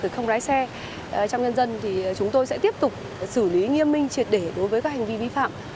không lái xe trong nhân dân thì chúng tôi sẽ tiếp tục xử lý nghiêm minh triệt để đối với các hành vi vi phạm